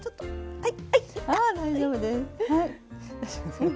はい。